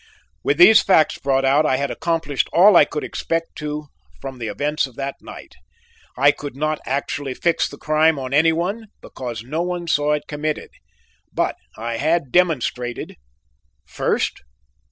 With these facts brought out I had accomplished all I could expect to from the events of that night. "I could not actually fix the crime on any one because no one saw it committed, but I had demonstrated: "1st.